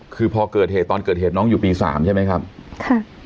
คือพอเกิดเหตุตอนเกิดเหตุน้องอยู่ปีสามใช่ไหมครับค่ะ